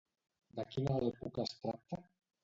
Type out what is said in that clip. De quina època es tracta?